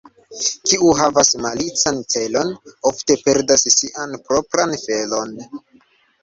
Kiu havas malican celon, ofte perdas sian propran felon.